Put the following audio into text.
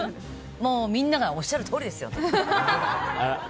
もうみんながおっしゃるとおりですよ。